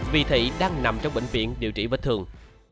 vì thị đang nằm trong bệnh viện điều trị vết thương